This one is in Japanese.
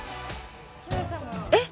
えっ！